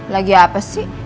lagi apa sih